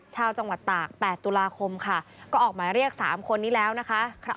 ชาวจังหวัดตาก๘ตุลาคมค่ะก็ออกหมายเรียก๓คนนี้แล้วนะคะ